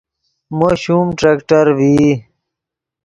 مو شوم ٹریکٹر ڤئی